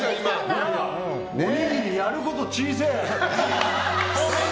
おにぎり、やること小せえ！